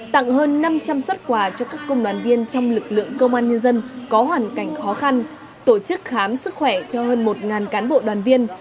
tặng hơn năm trăm linh xuất quà cho các công đoàn viên trong lực lượng công an nhân dân có hoàn cảnh khó khăn tổ chức khám sức khỏe cho hơn một cán bộ đoàn viên